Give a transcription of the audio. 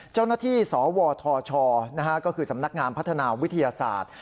เจ้าหน้าที่สวทชก็คือสำนักงานพัฒนาวิทยาศาสตร์